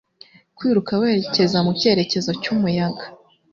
kwiruka werekeza mu cyerekezo cy'umuyaga